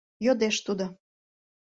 — йодеш тудо.